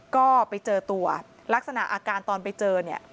ก็ไปเจอตัวลักษณะอาการตอนไปเจอเนี่ย